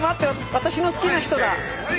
私の好きな人だ！